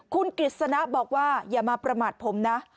คุณกฤษณะบอกว่าอย่ามาประมาทผมนะ